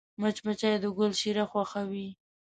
مچمچۍ د ګل شیره خوښوي